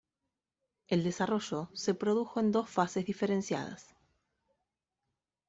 El desarrollo se produjo en dos fases diferenciadas.